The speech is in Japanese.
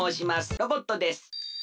ロボットです。